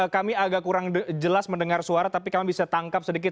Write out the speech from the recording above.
kami agak kurang jelas mendengar suara tapi kami bisa tangkap sedikit